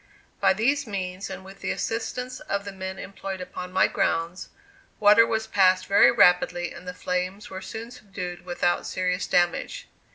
By these means and with the assistance of the men employed upon my grounds, water was passed very rapidly and the flames were soon subdued without serious damage.